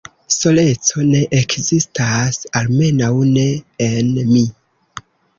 Soleco ne ekzistas, almenaŭ ne en mi.